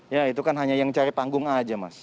ya itu kan hanya yang cari panggung aja mas